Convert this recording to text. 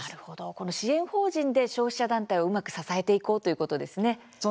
この支援法人で消費者団体を支えていこうということなんですね。